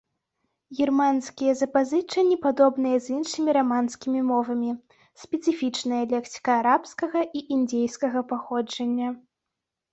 Германскія запазычанні падобныя з іншымі раманскімі мовамі, спецыфічная лексіка арабскага і індзейскага паходжання.